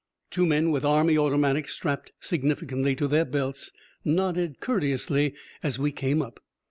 Two men with army automatics strapped significantly to their belts nodded courteously as we came up.